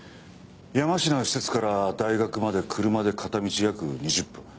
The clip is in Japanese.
山科の施設から大学まで車で片道約２０分。